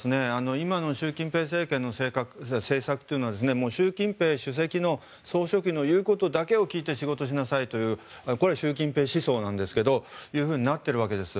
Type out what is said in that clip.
今の習近平政権の政策というのは習近平主席、総書記の言うことだけを聞いて仕事しなさいというこれは習近平思想なんですがそうなっているわけです。